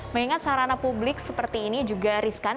mengingat sarana publik seperti ini juga riskan